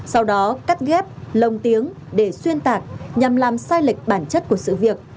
sau đó cắt ghép lồng tiếng để xuyên tạc nhằm làm sai lệch bản chất của sự việc